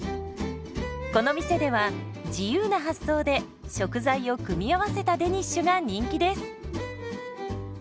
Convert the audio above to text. この店では自由な発想で食材を組み合わせたデニッシュが人気です。